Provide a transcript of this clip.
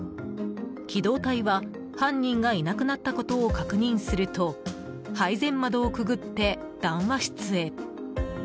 機動隊は犯人がいなくなったことを確認すると配膳窓をくぐって談話室へ。